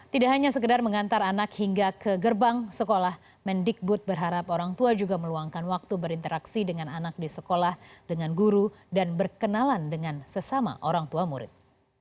tidak hanya sekedar mengantar anak hingga ke gerbang sekolah mendikbud berharap orang tua juga meluangkan waktu berinteraksi dengan anak di sekolah dengan guru dan berkenalan dengan sesama orang tua murid